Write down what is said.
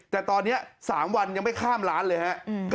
แต่ตอนนี้๓วันยังไม่ข้ามร้านเลยฮะ